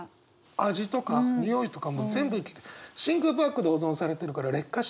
味とか匂いとかも全部真空パックで保存されてるから劣化してないみたいな。